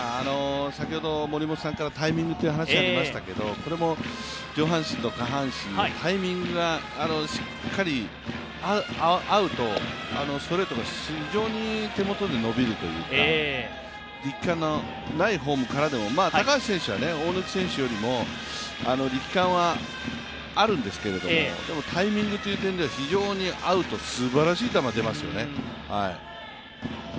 先ほど森本さんからタイミングという話がありましたけれども上半身と下半身のタイミングがしっかり合うと、ストレートも非常に手元で伸びるというか高橋選手は大貫選手よりも力感はあるんですけれども、でもタイミングという点では合うとすばらしい球が出ますよね。